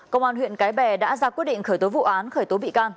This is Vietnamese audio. công an huyện cái bè đã ra quyết định khởi tố vụ án khởi tố bị can